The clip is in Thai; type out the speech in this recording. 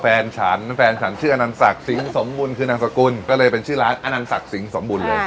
อ๋อแฟนฉันแฟนฉันชื่ออะนันสักสิงสมบูรณ์คือนางสกุลก็เลยเป็นชื่อร้านอะนันสักสิงสมบูรณ์เลย